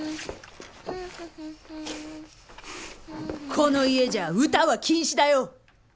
この家じゃ歌は禁止だよ！